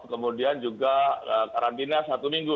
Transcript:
kemudian juga karantina satu minggu